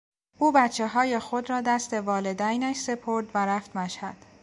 او بچههای خود را دست والدینش سپرد و رفت مشهد.